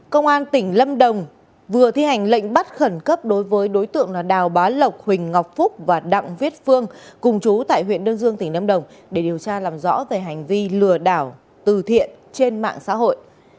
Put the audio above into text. công an tỉnh lâm đồng vừa thi hành lệnh bắt khẩn cấp đối với đối tượng đào bá lộc huỳnh ngọc phúc và đặng viết phương cùng chú tại huyện đơn dương tỉnh lâm đồng để điều tra làm rõ về hành vi lừa đảo từ thiện trên mạng xã hội